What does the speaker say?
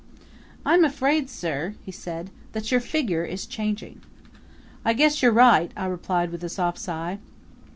"I'm afraid, sir," he said, "that your figure is changing." "I guess you're right," I replied with a soft sigh.